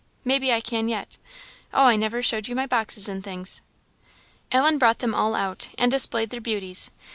Maybe I can yet. Oh, I never showed you my boxes and things." Ellen brought them all out, and displayed their beauties.